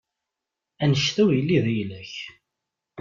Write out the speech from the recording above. Annect-a ur yelli d ayla-k.